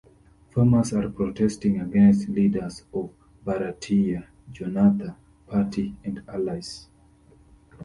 Farmers are protesting against leaders of Bharateeya Janatha party and allies.